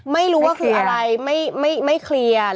ไม่รู้ว่าคืออะไรไม่เคลียร์